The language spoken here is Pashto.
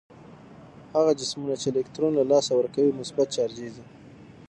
هغه جسمونه چې الکترون له لاسه ورکوي مثبت چارجیږي.